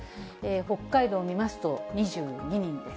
北海道を見ますと２２人です。